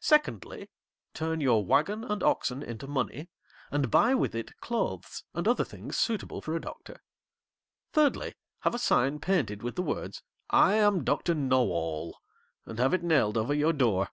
Secondly, turn your wagon and oxen into money, and buy with it clothes and other things suitable for a Doctor. Thirdly, have a sign painted with the words, "I am Doctor Know all," and have it nailed over your door.'